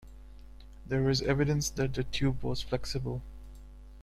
There is evidence that the tube was flexible.